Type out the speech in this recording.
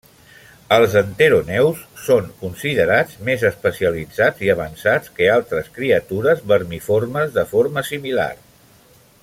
Els enteropneusts són considerats més especialitzats i avançats que altres criatures vermiformes de forma similar.